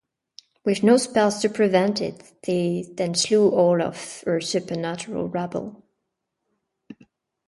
With no spells to prevent it, they then slew all of her supernatural rabble.